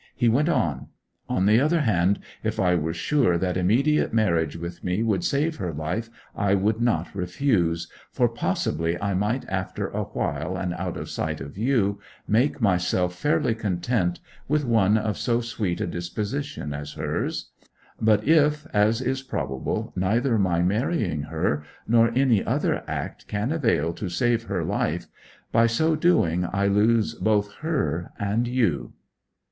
He went on: 'On the other hand, if I were sure that immediate marriage with me would save her life, I would not refuse, for possibly I might after a while, and out of sight of you, make myself fairly content with one of so sweet a disposition as hers; but if, as is probable, neither my marrying her nor any other act can avail to save her life, by so doing I lose both her and you.'